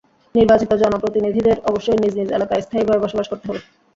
নির্বাচিত জনপ্রতিনিধিদের অবশ্যই নিজ নিজ এলাকায় স্থায়ীভাবে বসবাস করতে হবে।